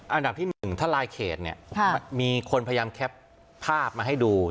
อันดับที่๑ถ้าลายเขตเนี่ยมีคนพยายามแคปภาพมาให้ดู